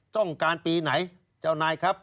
ต้องการปีไหนเจ้านายครับ